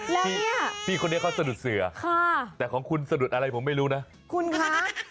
แล้วพี่คนนี้เขาสะดุดเสือแต่ของคุณสะดุดอะไรผมไม่รู้นะคุณคะ